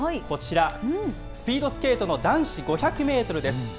こちら、スピードスケートの男子５００メートルです。